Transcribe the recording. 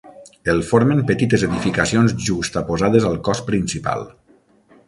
El formen petites edificacions juxtaposades al cos principal.